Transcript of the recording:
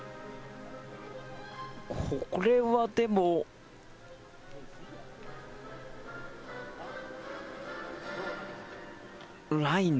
これはでも、ラインの。